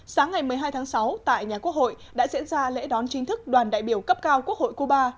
sáng ngày một mươi hai tháng sáu tại nhà quốc hội đã diễn ra lễ đón chính thức đoàn đại biểu cấp cao quốc hội cuba